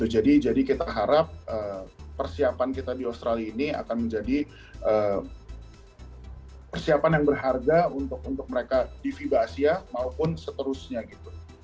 jadi kita harap persiapan kita di australia ini akan menjadi persiapan yang berharga untuk mereka di fiba asia maupun seterusnya gitu